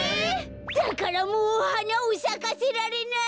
だからもうはなをさかせられない。